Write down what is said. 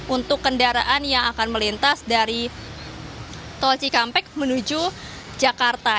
untuk kendaraan yang akan melintas dari tol cikampek menuju jakarta